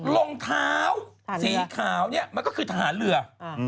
รองเท้าสีขาวเนี่ยมันก็คือทหารเรือ